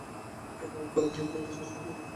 প্রথমে উত্তর আফ্রিকায় চেষ্টা করলে।